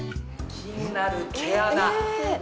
気になる毛穴。